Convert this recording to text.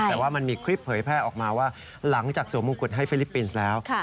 แต่ว่ามันมีคลิปเผยแพร่ออกมาว่าหลังจากสวมมงกุฎให้ฟิลิปปินส์แล้ว